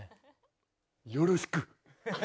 よろしく。